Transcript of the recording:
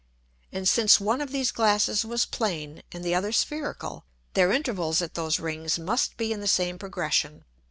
And since one of these Glasses was plane, and the other spherical, their Intervals at those Rings must be in the same Progression.